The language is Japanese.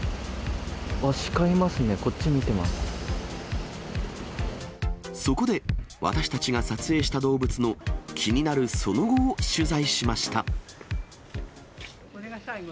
あっ、シカいますね、こっち見てそこで、私たちが撮影した動物の、気になるその後を取材しました。